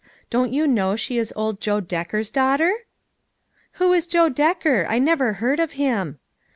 Don't you know she is old Joe Decker's daughter?" " Who is Joe Decker ? I never heard of him."